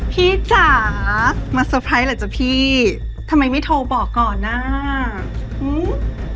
พี่จ๋ามาสเตอร์ไพรส์เหรอจ๋าพี่ทำไมไม่โทรบอกก่อนน่ะหื้ม